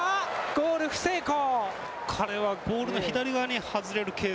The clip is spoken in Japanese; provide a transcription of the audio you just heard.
ゴール不成功。